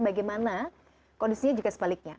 bagaimana kondisinya juga sebaliknya